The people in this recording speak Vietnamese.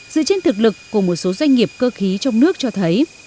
dựa trên thực lực của một số doanh nghiệp cơ khí trong nước cho thấy